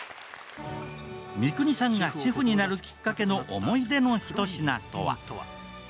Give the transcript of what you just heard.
三國さんがシェフになるきっかけの思い出の一品とは？